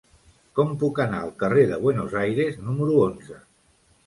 Com puc anar al carrer de Buenos Aires número onze?